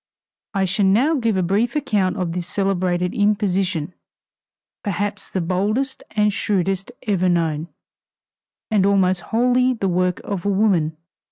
I shall now give a brief account of this celebrated imposition perhaps the boldest and shrewdest ever known, and almost wholly the work of a woman.